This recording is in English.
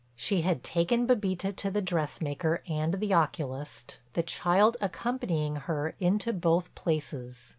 She had taken Bébita to the dressmaker and the oculist, the child accompanying her into both places.